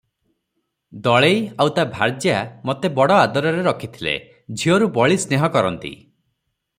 ଦଳେଇ ଆଉ ତା ଭାର୍ଯ୍ୟା ମୋତେ ବଡ ଆଦରରେ ରଖିଥିଲେ, ଝିଅରୁ ବଳି ସ୍ନେହ କରନ୍ତି ।